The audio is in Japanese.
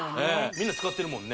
みんな使ってるもんね